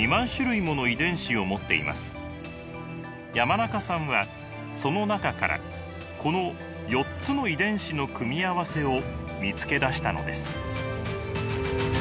山中さんはその中からこの４つの遺伝子の組み合わせを見つけ出したのです。